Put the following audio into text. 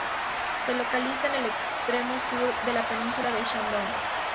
Se localiza en el extremo sur de la península de Shandong.